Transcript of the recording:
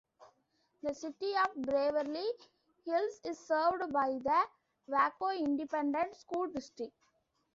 The City of Beverly Hills is served by the Waco Independent School District.